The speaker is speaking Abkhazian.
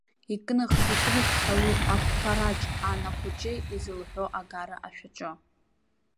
Икных, икных ҳәа уи ақәԥараҿ ан ахәыҷы изылҳәо агара ашәаҿы.